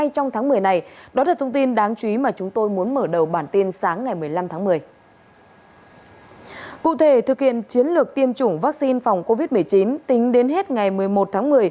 trong tuyến chiến lược tiêm chủng vaccine phòng covid một mươi chín tính đến hết ngày một mươi một tháng một mươi